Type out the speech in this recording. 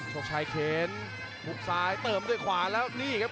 ชกชายเขนหุบซ้ายเติมด้วยขวาแล้วนี่ครับ